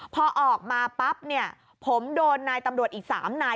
พอออกมาปั๊บเนี่ยผมโดนนายตำรวจอีก๓นาย